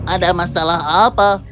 ada masalah apa